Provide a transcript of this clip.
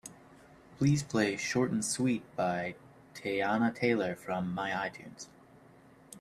Please play Short And Sweet by Teyana Taylor from my itunes.